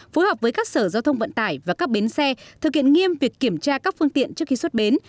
phối hợp với các sở giao thông vận tải và các bến xe thực hiện nghiêm việc kiểm tra các phương tiện trước khi xuất bến